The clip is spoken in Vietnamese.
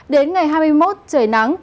đến ngày hai mươi một trời nắng